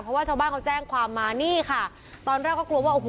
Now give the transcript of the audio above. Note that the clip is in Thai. เพราะว่าชาวบ้านเขาแจ้งความมานี่ค่ะตอนแรกก็กลัวว่าโอ้โห